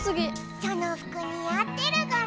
そのふくに合ってるゴロ。